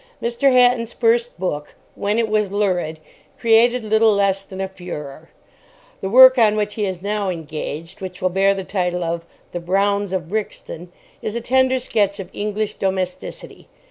Mr. Hatton's first book, When It Was Lurid, created little less than a furore. The work on which he is now engaged, which will bear the title of The Browns of Brixton, is a tender sketch of English domesticity.